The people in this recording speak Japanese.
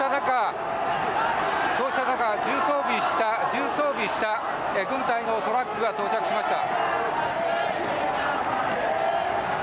そうした中重装備をした軍隊のトラックが到着しました。